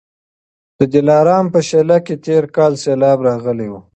د دلارام په شېله کي تېر کال سېلاب راغلی و